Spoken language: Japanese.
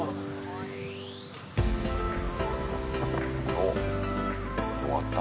おっ終わった？